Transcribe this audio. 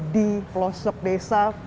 di pelosok desa